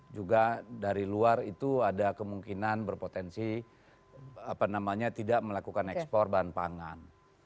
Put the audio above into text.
juga dari luar itu ada kemungkinan berpotensi tidak melakukan ekspor bahan pangan